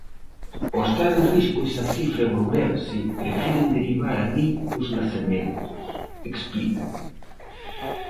"Ao estar en risco esa cifra en Ourense, prefiren derivar alí os nacementos", explican.